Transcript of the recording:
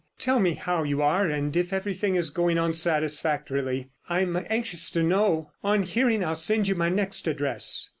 Tell me how you are and if everything is going on satisfactorily. I'm anxious to know. On hearing, I'll send you my next address."